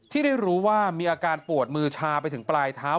ที่ได้รู้ว่ามีอาการปวดมือชาไปถึงปลายเท้า